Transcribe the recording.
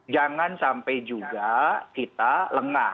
jangan sampai juga kita lengah